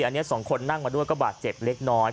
อันนี้สองคนนั่งมาด้วยก็บาดเจ็บเล็กน้อย